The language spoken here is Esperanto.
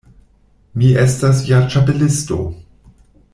Mi estas ja Ĉapelisto.